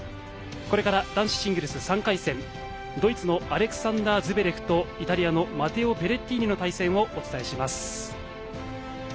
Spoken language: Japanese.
これから男子シングルス３回戦ドイツのアレクサンダー・ズベレフとイタリアのマテオ・ベレッティーニの対戦をお伝えします。